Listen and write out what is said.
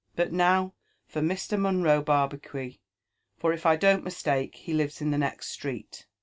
— But now for Mr. Monro Barbacuit ; for, if I don't mistake, he lives in the next street."